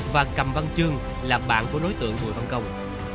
và cầm văn chương là bạn của đối tượng bùi văn công